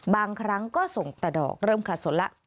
บางครั้งก็ส่งแต่ดอกเริ่มขาดสนแล้ว